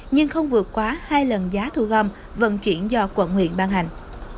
nhưng không vượt quá hai lần giá thu gom vận chuyển do quận huyện ban hành